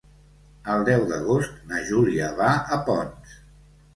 El deu d'agost na Júlia va a Ponts.